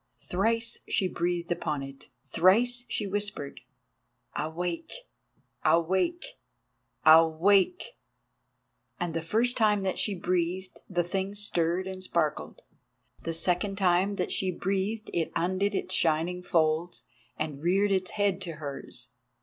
Thrice she breathed upon it, thrice she whispered, "Awake! Awake! Awake!" And the first time that she breathed the Thing stirred and sparkled. The second time that she breathed it undid its shining folds and reared its head to hers.